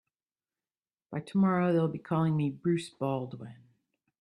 By tomorrow they'll be calling me Bruce Baldwin.